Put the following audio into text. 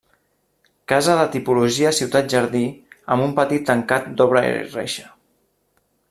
Casa de tipologia ciutat-jardí amb un petit tancat d'obra i reixa.